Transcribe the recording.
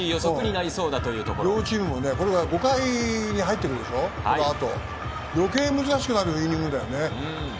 両チームこれから５回に入ってくるでしょう、この後。余計難しくなるイニングだよね。